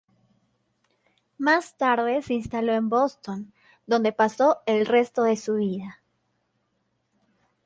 Más tarde se instaló en Boston, donde pasó el resto de su vida.